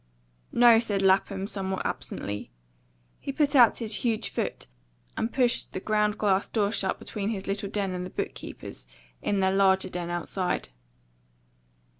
"No," said Lapham, somewhat absently. He put out his huge foot and pushed the ground glass door shut between his little den and the book keepers, in their larger den outside.